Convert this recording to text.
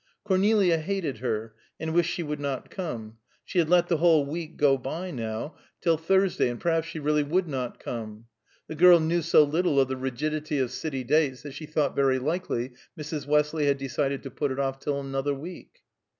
Cornelia hated her, and wished she would not come; she had let the whole week go by, now, till Thursday, and perhaps she really would not come. The girl knew so little of the rigidity of city dates that she thought very likely Mrs. Westley had decided to put it off till another week.